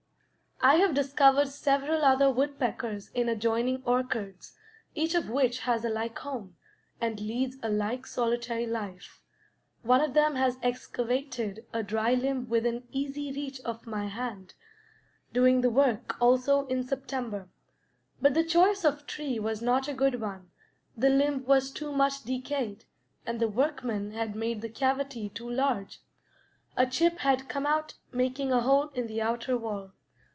I have discovered several other woodpeckers in adjoining orchards, each of which has a like home, and leads a like solitary life. One of them has excavated a dry limb within easy reach of my hand, doing the work also in September. But the choice of tree was not a good one; the limb was too much decayed, and the workman had made the cavity too large; a chip had come out, making a hole in the outer wall.